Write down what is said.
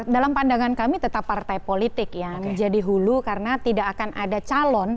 dalam pandangan kami tetap partai politik yang menjadi hulu karena tidak akan ada calon